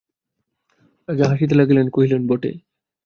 রাজা হাসিতে লাগিলেন, কহিলেন, বটে!